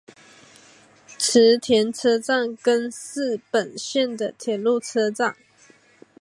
池田车站根室本线的铁路车站。